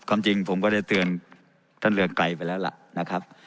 ความจริงผมก็ได้เตือนท่านเรืองไกลไปแล้วล่ะ